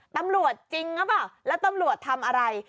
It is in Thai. ตำรวจจริงหรือเปล่าแล้วตำรวจทำอะไร